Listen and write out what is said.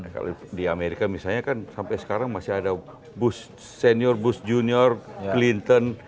kalau di amerika misalnya kan sampai sekarang masih ada bus senior bus junior clinton